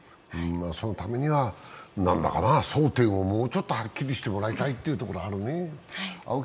そのためには争点をもうちょっとはっきりしてもらいたいというところがあるね。